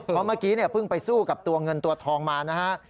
เพราะเมื่อกี้เนี่ยเพิ่งไปสู้กับตัวเงินตัวทองมานะฮะ